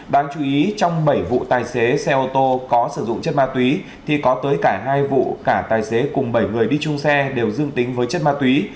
đáng chú ý trong bảy vụ tài xế xe ô tô có sử dụng chất ma túy thì có tới cả hai vụ cả tài xế cùng bảy người đi chung xe đều dương tính với chất ma túy